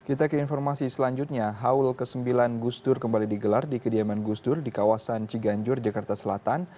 kita ke informasi selanjutnya haul ke sembilan gus dur kembali digelar di kediaman gusdur di kawasan ciganjur jakarta selatan